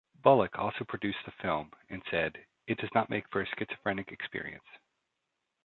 Bullock also produced the film, and said, It does make for a schizophrenic experience.